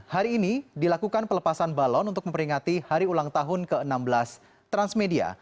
hari ini dilakukan pelepasan balon untuk memperingati hari ulang tahun ke enam belas transmedia